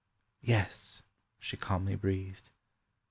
—"Yes," she calmly breathed.